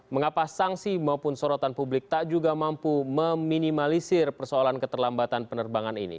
mengapa sanksi maupun sorotan publik tak juga mampu meminimalisir persoalan keterlambatan penerbangan ini